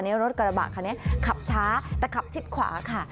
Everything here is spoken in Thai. เนี้ยรถกระบะค่ะเนี้ยขับช้าแต่ขับทิศขวาค่ะ